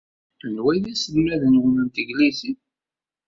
Anwa ay d aselmad-nwen n tanglizit?